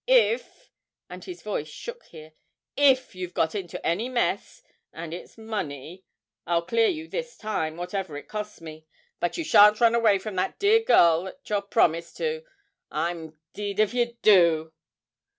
If' (and his voice shook here) 'if you've got into any mess and it's money I'll clear you this time, whatever it costs me, but you shan't run away from that dear girl that you're promised to I'm d d if you do!'